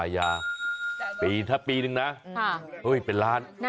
ยาปีถ้าปีนึงนะเฮ้ยเป็นล้าน